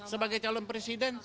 sebagai calon presiden